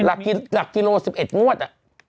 หลักกิโล๑๑งวด